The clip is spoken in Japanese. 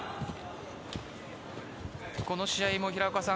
この試合も、平岡さん